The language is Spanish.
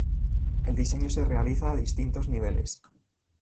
El diseño se realiza a distintos niveles.